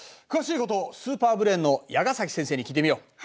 詳しいことをスーパーブレーンの矢ケ先生に聞いてみよう。